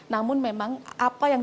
namun memang apa yang